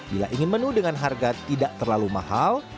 bila ingin menu dengan harga tidak terlalu mahal